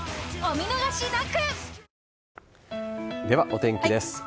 では、お天気です。